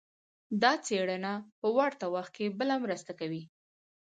دا څېړنه په ورته وخت کې بله مرسته کوي.